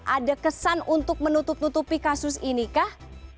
ada kesan untuk menutup tutupi kasus ini kah